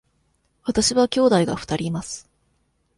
わたしは兄弟が二人います。